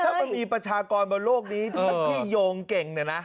คือถ้ามีประชากรในโลกนี้ที่โยงเก่งเนี่ยนะ